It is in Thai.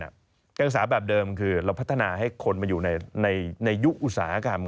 การศึกษาแบบเดิมคือเราพัฒนาให้คนมาอยู่ในยุคอุตสาหกรรม